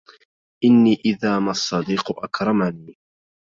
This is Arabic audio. إني إذا ما الصديق أكرمني